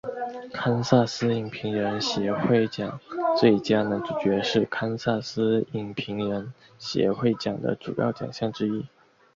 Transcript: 堪萨斯影评人协会奖最佳男主角是堪萨斯影评人协会奖的主要奖项之一。